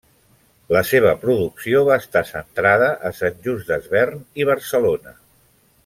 La seva producció va estar centrada a Sant Just Desvern i Barcelona.